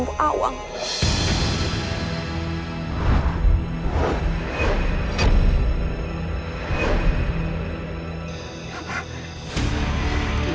ketika kikoran menangkap rara santang